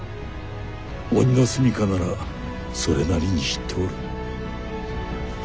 鬼の住みかならそれなりに知っておる。